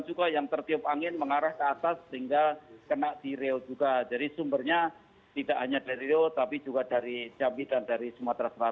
jadi kondisinya tidak terlalu di riau nya di pusat kotanya tidak terlalu parah maksud saya